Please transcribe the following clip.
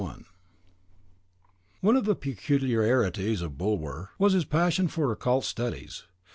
One of the peculiarities of Bulwer was his passion for occult studies.